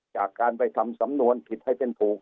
จากการไปทำสำนวนผิดให้เป็นถูก